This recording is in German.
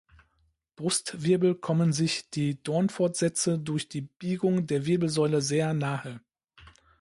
Brustwirbel kommen sich die Dornfortsätze durch die Biegung der Wirbelsäule sehr nahe.